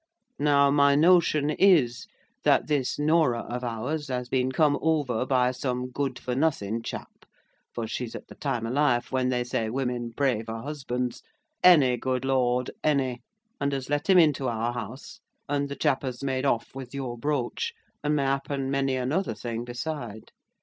Now, my notion is, that this Norah of ours has been come over by some good for nothin chap (for she's at the time o' life when they say women pray for husbands—'any, good Lord, any,') and has let him into our house, and the chap has made off with your brooch, and m'appen many another thing beside.